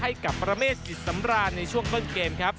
กับประเมฆจิตสำราญในช่วงต้นเกมครับ